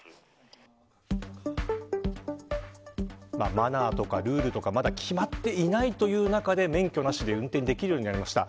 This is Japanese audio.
マナーとかルールとかまだ決まっていないという中で免許なしで運転できるようになりました。